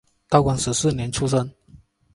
道光十四年出生。